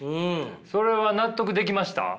それは納得できました？